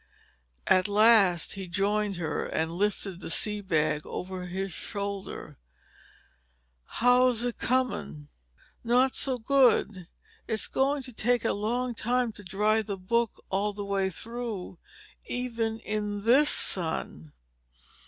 At last he joined her and lifted the sea bag over his shoulder. "How's it coming?" "Not so good. It's going to take a long time to dry the book all the way through even in this sun."